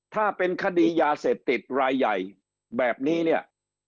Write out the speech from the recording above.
ถ้าเป็นคดียาเสพติดรายใหญ่แบบนี้เนี่ย